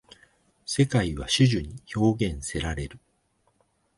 世界は種々に表現せられる。